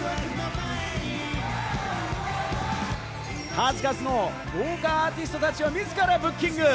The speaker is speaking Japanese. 数々の豪華アーティストたちを自らブッキング。